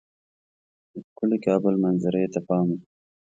د ښکلي کابل منظرې ته پام وو.